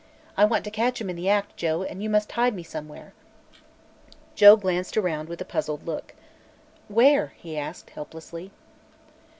I want to catch him in the act, Joe, and you must hide me somewhere." Joe glanced around with a puzzled look. "Where?" he asked helplessly.